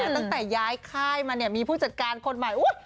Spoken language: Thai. ตั้งแต่ย้ายข้ายมามีผู้จัดการคนใหม่